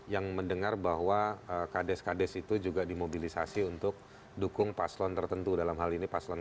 yang mendengar bahwa kades kades itu juga dimobilisasi untuk dukung paslon tertentu dalam hal ini paslon dua